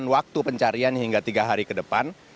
waktu pencarian hingga tiga hari ke depan